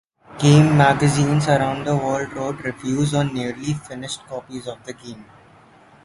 Game magazines around the world wrote reviews on nearly finished copies of the game.